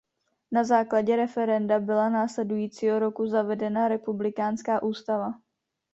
Na základě referenda byla následujícího roku zavedena republikánská ústava.